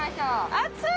熱い！